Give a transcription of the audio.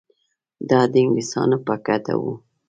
دا د انګلیسیانو په ګټه وه.